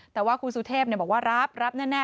แต่ว่าคุณสุเทพบอกว่ารับรับแน่